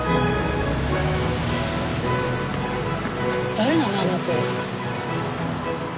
誰なのあの子？